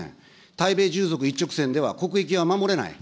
対米従属一直線では国益は守れない。